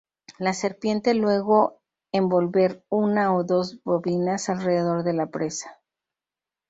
La serpiente luego envolver una o dos bobinas alrededor de la presa.